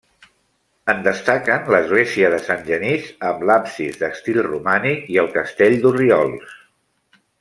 En destaquen l'Església de Sant Genís, amb l'absis d'estil romànic, i el Castell d'Orriols.